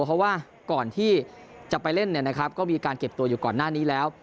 เพราะว่าก่อนที่จะไปเล่นก็มีการเก็บตัวอยู่ก่อนหน้านี้แล้ว